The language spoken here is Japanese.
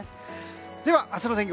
では明日の天気